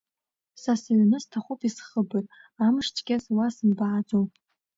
Са сыҩны сҭахуп исхыбыр, амшцәгьаз уа сымбааӡо.